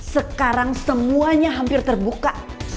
sekarang semuanya hampir terbuka